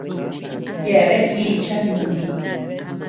Yeabean icha nuni.